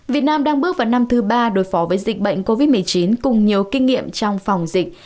việt nam đang bước vào năm thứ ba đối phó với dịch bệnh covid một mươi chín cùng nhiều kinh nghiệm trong phòng dịch